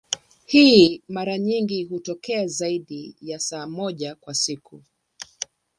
Hii mara nyingi hutokea zaidi ya saa moja kwa siku.